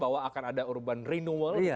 bahwa akan ada urban renewal